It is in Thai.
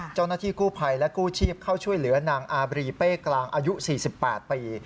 เจ้าหน้าที่กู้ภัยและกู้ชีพเข้าช่วยเหลือนางอาบรีเป้กลางอายุ๔๘ปี